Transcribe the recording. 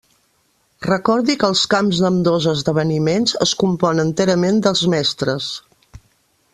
Recordi que els camps d'ambdós esdeveniments es compon enterament dels Mestres.